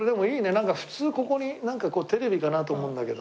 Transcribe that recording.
なんか普通ここにテレビかなと思うんだけど。